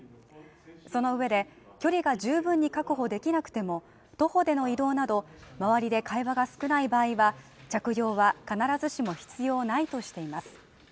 そのうえで距離が十分に確保できなくても、徒歩での移動など周りで会話が少ない場合は着用は必ずしも必要ないとしています。